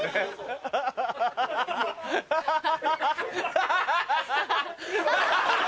ハハハ！ハハハ！